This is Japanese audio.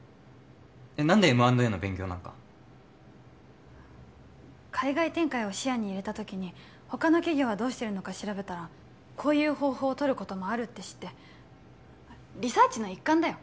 えっ何でＭ＆Ａの勉強なんか海外展開を視野に入れた時に他の企業はどうしてるのか調べたらこういう方法を取ることもあるって知ってリサーチの一環だよ